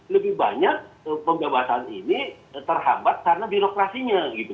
lebih banyak pembebasan ini terhambat karena birokrasinya gitu